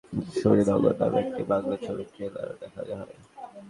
অনুষ্ঠানে মিনহাজ পরিচালিত সুরিনগর নামে একটি বাংলা ছবির ট্রেলারও দেখানো হয়।